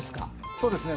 そうですね